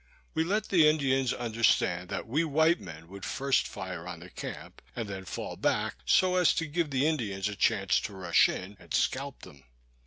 We let the Indians understand that we white men would first fire on the camp, and then fall back, so as to give the Indians a chance to rush in and scalp them.